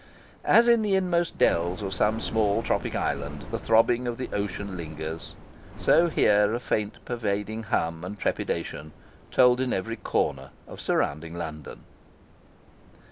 As in the inmost dells of some small tropic island the throbbing of the ocean lingers, so here a faint pervading hum and trepidation told in every corner of surrounding London.